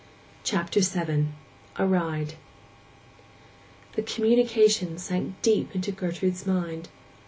CHAPTER VII—A RIDE The communication sank deep into Gertrude's mind.